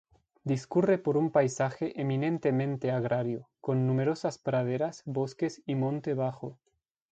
Discurre por un paisaje eminentemente agrario, con numerosas praderas, bosques y monte bajo.